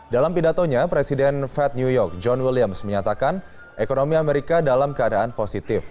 dalam pidatonya presiden fed new york john williams menyatakan ekonomi amerika dalam keadaan positif